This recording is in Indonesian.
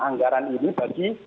anggaran ini bagi